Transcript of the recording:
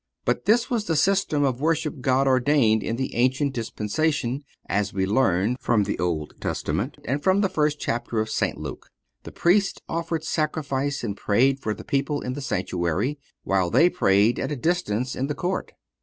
And this was the system of worship God ordained in the ancient dispensation, as we learn from the Old Testament and from the first chapter of St. Luke. The Priest offered sacrifice and prayed for the people in the sanctuary, while they prayed at a distance in the court.